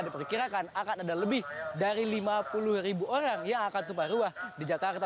diperkirakan akan ada lebih dari lima puluh ribu orang yang akan tumpah ruah di jakarta